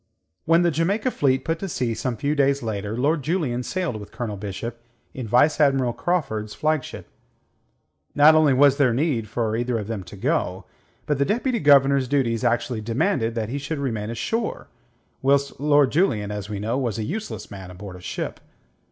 When the Jamaica fleet put to sea some few days later, Lord Julian sailed with Colonel Bishop in Vice Admiral Craufurd's flagship. Not only was there no need for either of them to go, but the Deputy Governor's duties actually demanded that he should remain ashore, whilst Lord Julian, as we know, was a useless man aboard a ship.